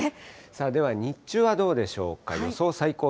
では日中はどうでしょうか。